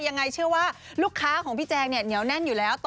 ยังไงเชื่อว่าลูกค้าของพี่แจงเนี่ยเหนียวแน่นอยู่แล้ว